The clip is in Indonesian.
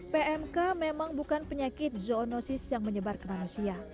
pmk memang bukan penyakit zoonosis yang menyebar ke manusia